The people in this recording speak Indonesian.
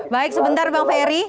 baik sebentar bang ferry